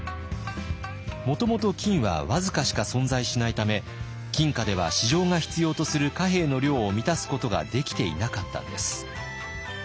もともと金は僅かしか存在しないため金貨では市場が必要とする貨幣の量を満たすことができていなかったんです。